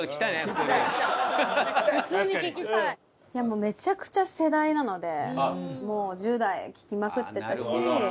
もうめちゃくちゃ世代なので１０代聴きまくってたし。